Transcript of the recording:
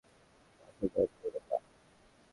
মাথা গরম করবেন না।